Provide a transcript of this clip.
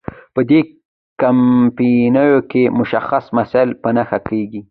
په دې کمپاینونو کې مشخص مسایل په نښه کیږي.